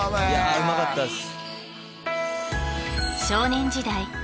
少年時代